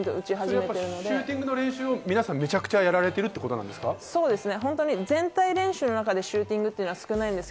シューティングの練習をめちゃくちゃやられてるっていうことなんですね。